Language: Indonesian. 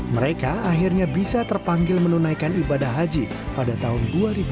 mereka akhirnya bisa terpanggil menunaikan ibadah haji pada tahun dua ribu dua puluh